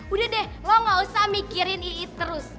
udah deh lo gak usah mikirin ii terus